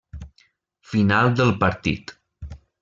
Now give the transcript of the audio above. Final del partit.